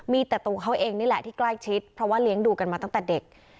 มีแต่ตัวเขาเองนี่แหละที่ใกล้ชิดเพราะว่าเลี้ยงดูกันมาตั้งแต่เด็ก